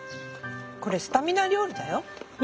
これスタミナ料理だよ。